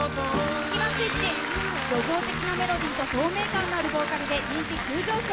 スキマスイッチ叙情的なメロディーと透明感のあるボーカルで人気急上昇。